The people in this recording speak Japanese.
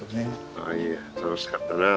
ああいやいや楽しかったなあ